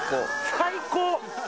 最高！